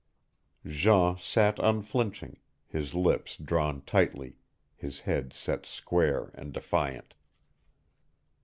Jean sat unflinching, his lips drawn tightly, his head set square and defiant.